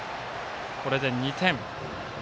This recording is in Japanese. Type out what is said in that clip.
これで２点。